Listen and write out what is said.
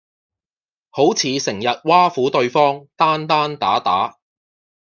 好似成日挖苦對方，單單打打